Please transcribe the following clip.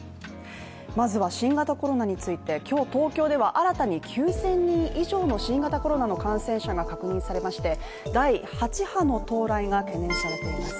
まずは新型コロナについて、今日、東京では新たに９０００人以上の新型コロナの感染者が確認されまして第８波の到来が懸念されています。